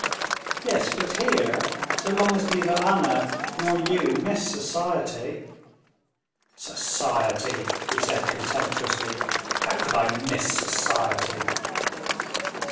"Yes, but here, so long as neither Anna ... nor you miss society...." "Society!" he said contemptuously, "how could I miss society?"